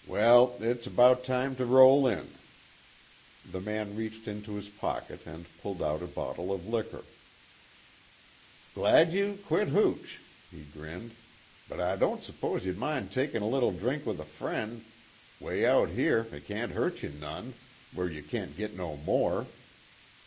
Well, it's about time to roll in." The man reached into his pocket and pulled out a bottle of liquor, "Glad you quit hooch," he grinned, "But, I don't s'pose you'd mind takin' a little drink with a friend way out here it can't hurt you none, where you can't git no more."